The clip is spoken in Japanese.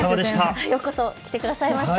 ようこそ来てくださいました。